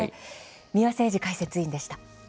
三輪誠司解説委員でした。